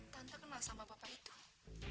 tante kenal sama bapak itu